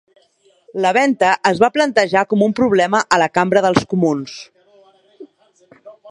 La venta es va plantejar com un problema a la Cambra del Comuns.